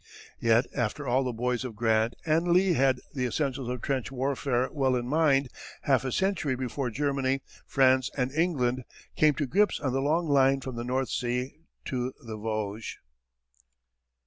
Yet after all the boys of Grant and Lee had the essentials of trench warfare well in mind half a century before Germany, France, and England came to grips on the long line from the North Sea to the Vosges.